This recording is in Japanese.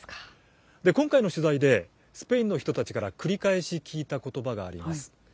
今回の取材で、スペインの人たちから繰り返し聞いたことばがあります。